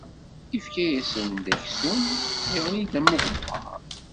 Ifka-asen-d aksum, iɣli-d am uɣebbar.